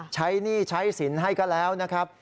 หนี้ใช้สินให้ก็แล้วนะครับ